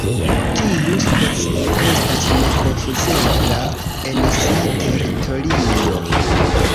Tiu specio estas nekonfuzebla en sia teritorio.